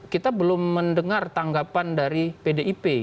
kita belum mendengar tanggapan dari pdip